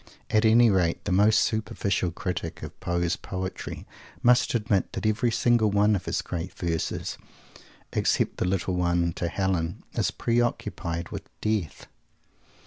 At any rate, the most superficial critic of Poe's poetry must admit that every single one of his great verses, except the little one "to Helen," is pre occupied with Death.